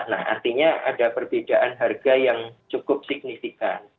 nah artinya ada perbedaan harga yang cukup signifikan